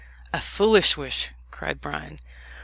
"A foolish wish," cried Bryan.